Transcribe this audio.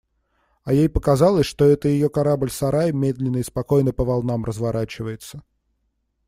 А ей показалось, что это ее корабль-сарай медленно и спокойно по волнам разворачивается.